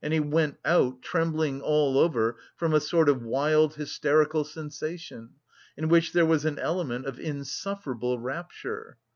He went out, trembling all over from a sort of wild hysterical sensation, in which there was an element of insufferable rapture.